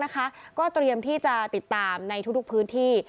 ก็เตรียมที่จะติดตามในทุกพื้นที่